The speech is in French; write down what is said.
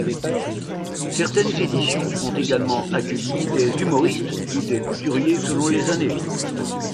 Certaines éditions ont également accueilli des humoristes ou des couturiers selon les années.